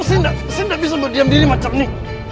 ini kemana sih saya nggak bisa berdiam diri seperti ini